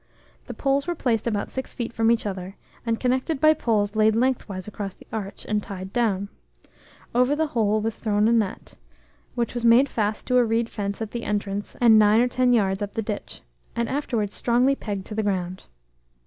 The poles were placed about six feet from each other, and connected by poles laid lengthwise across the arch, and tied together. Over the whole was thrown a net, which was made fast to a reed fence at the entrance and nine or ten yards up the ditch, and afterwards strongly pegged to the ground.